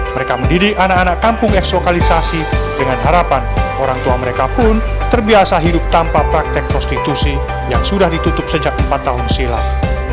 mereka mendidik anak anak kampung eks lokalisasi dengan harapan orang tua mereka pun terbiasa hidup tanpa praktek prostitusi yang sudah ditutup sejak empat tahun silam